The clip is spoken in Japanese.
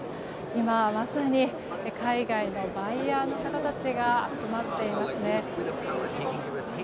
今まさに海外のバイヤーの方たちが集まっていますね。